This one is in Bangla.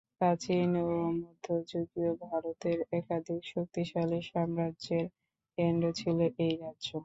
প্রাচীন ও মধ্যযুগীয় ভারতের একাধিক শক্তিশালী সাম্রাজ্যের কেন্দ্র ছিল এই রাজ্য।